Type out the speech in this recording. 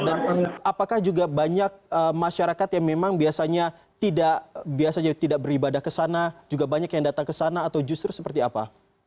dan apakah juga banyak masyarakat yang memang biasanya tidak beribadah ke sana juga banyak yang datang ke sana atau justru seperti apa